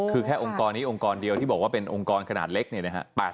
คือแค่องค์กรนี้องค์กรเดียวที่บอกว่าเป็นองค์กรขนาดเล็กเนี่ยนะฮะ